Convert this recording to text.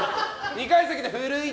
２階席で古市！